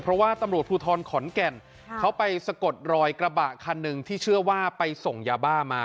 เพราะว่าตำรวจภูทรขอนแก่นเขาไปสะกดรอยกระบะคันหนึ่งที่เชื่อว่าไปส่งยาบ้ามา